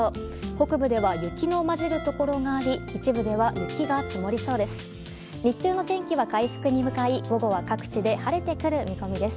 北部では雪の交じるところがあり一部では雪が積もりそうです。